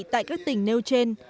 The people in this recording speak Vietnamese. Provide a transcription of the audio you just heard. tại các tỉnh nêu trên